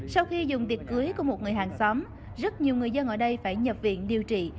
sau khi dùng tiệc cưới của một người hàng xóm rất nhiều người dân ở đây phải nhập viện điều trị